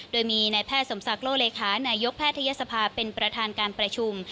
โดยมีนายแพทย์สมศักดิ์โลเลขานายกแพทยศภาเป็นประธานการประชุม